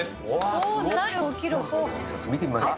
早速見てみましょうか。